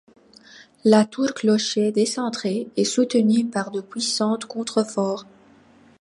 La tour-clocher décentrée est soutenue par de puissants contreforts.